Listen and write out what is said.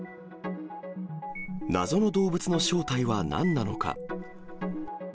謎の動物の正体はなんなのか。